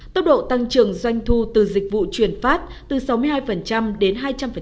tốc độ tăng trưởng doanh thu từ dịch vụ chuyển phát từ sáu mươi hai đến hai trăm linh